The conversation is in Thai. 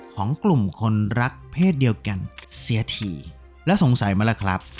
ของกลุ่มคนรักเพศเดียวกันเสียทีแล้วสงสัยไหมล่ะครับ